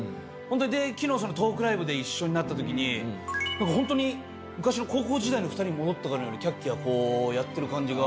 昨日そのトークライブで一緒になった時にホントに昔の高校時代の２人に戻ったかのようにキャッキャやってる感じが。